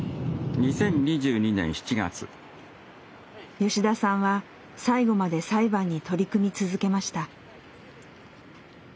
吉田さんは最後まで裁判に取り組み続けました。